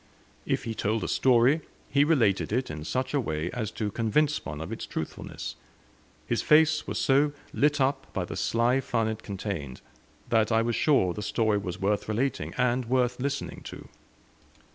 If he told a story, he related it in such a way as to convince one of its truthfulness; his face was so lit up by the sly fun it contained, that I was sure the story was worth relating, and worth listening to.